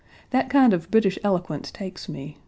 That kind of British eloquence takes me.